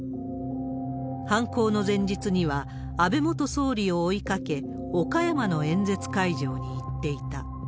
犯行の前日には、安倍元総理を追いかけ、岡山の演説会場に行っていた。